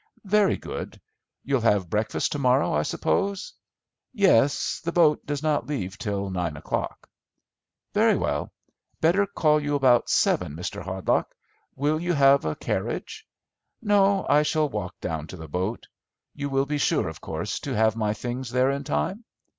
"Very good. You'll have breakfast to morrow, I suppose?" "Yes, the boat does not leave till nine o'clock." "Very well; better call you about seven, Mr. Hardlock. Will you have a carriage?" "No, I shall walk down to the boat. You will be sure, of course, to have my things there in time."